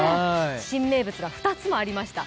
新名物が２つもありました。